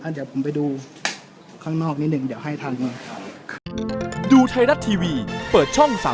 เดี๋ยวผมไปดูข้างนอกนิดนึงเดี๋ยวให้ทางมวยถาม